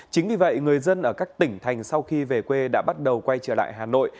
chính vì vậy người dân ở các tỉnh thành sau khi về quê đã bắt đầu quay trở lại hà nội